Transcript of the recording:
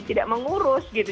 tidak mengurus gitu